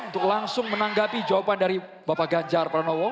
untuk langsung menanggapi jawaban dari bapak ganjar pranowo